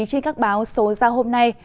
trên các báo số ra hôm nay